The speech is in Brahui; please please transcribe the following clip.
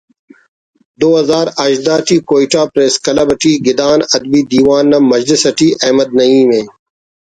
دو ہزار ہژدہ ٹی کوئٹہ پریس کلب اٹی گدان ادبی دیوان نا مجلس اٹی احمد نعیم ءِ